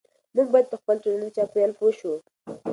موږ باید په خپل ټولنیز چاپیریال پوه شو.